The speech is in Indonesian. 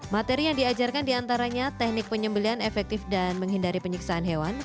materi yang diajarkan diantaranya teknik penyembelian efektif dan menghindari penyiksaan hewan